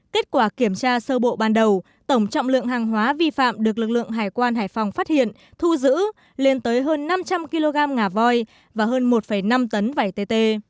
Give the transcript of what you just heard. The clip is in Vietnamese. kết quả kiểm tra sơ bộ ban đầu tổng trọng lượng hàng hóa vi phạm được lực lượng hải quan hải phòng phát hiện thu giữ lên tới hơn năm trăm linh kg ngà voi và hơn một năm tấn vẩy tt